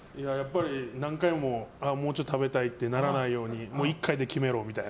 何回ももうちょっと食べたいってならないように１回で決めろみたいな。